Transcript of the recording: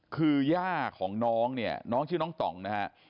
คือย่าของน้องเนี่ยน้องชื่อน้องต่องนะฮะ